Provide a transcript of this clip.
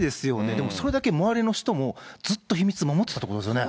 でも、それだけ周りの人も、ずっと秘密守ってたってことですよね。